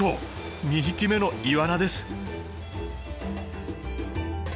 ２匹目のイワナです。